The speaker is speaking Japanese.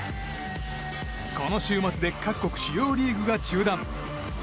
この週末で各国主要リーグが中断。